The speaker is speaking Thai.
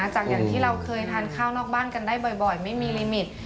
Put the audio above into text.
จากอย่างที่เราเคยทานข้าวนอกบ้านกันได้บ่อยไม่มีลิมิต